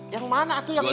yang mana atau yang ini